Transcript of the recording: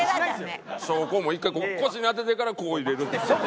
焼香も１回腰に当ててからこう入れる。